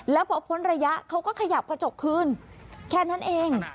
แล้วพอพ้นระยะเขาก็ขยับกระจกคืนแค่นั้นเอง